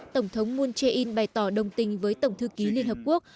tổng thống moon jae in bày tỏ đồng tình với tổng thư ký liên hợp quốc